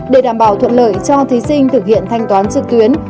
để đảm bảo thuận lợi cho thí sinh thực hiện thanh toán trực tuyến